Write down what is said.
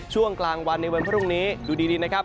ช่วงกลางวันในวันพรุ่งนี้ดูดีนะครับ